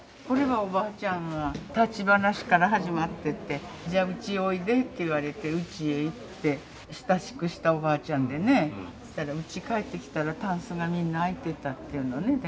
これはおばあちゃんが立ち話から始まってってじゃあうちへおいでって言われてうちへ行って親しくしたおばあちゃんでねそしたらうち帰ってきたらたんすがみんな開いてたっていうのね